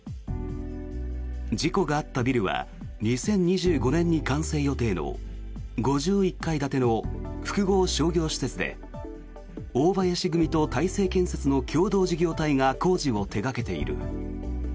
事故があったビルは２０２５年に完成予定の５１階建ての複合商業施設で大林組と大成建設の共同事業体が工事を手掛けている。